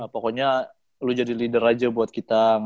pokoknya lo jadi leader aja buat kita